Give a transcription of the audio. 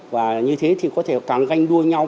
và như thế thì có thể càng ganh đua nhau